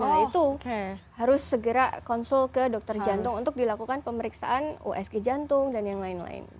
nah itu harus segera konsul ke dokter jantung untuk dilakukan pemeriksaan usg jantung dan yang lain lain